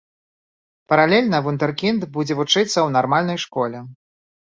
Паралельна вундэркінд будзе вучыцца ў нармальнай школе.